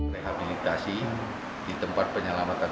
rehabilitasi di tempat penyelamatan